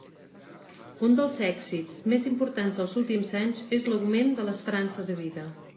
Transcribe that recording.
Un dels èxits més importants dels últims anys és l'augment de l'esperança de vida.